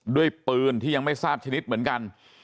ด้วยปืนที่ยังไม่ทราบชนิดเหมือนกัน